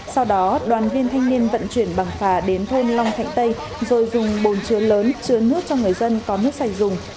sau đó đoàn viên thanh niên vận chuyển bằng phà đến thôn long thạnh tây rồi dùng bồn chứa lớn chứa nước cho người dân có nước sạch dùng